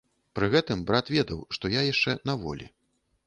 Пры гэтым брат ведаў, што я яшчэ на волі.